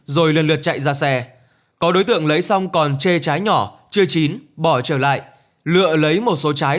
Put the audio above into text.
rồi lần lượt chạy ra xe có đối tượng lấy xong còn chê trái nhỏ chưa chín bỏ trở lại lựa lấy một số trái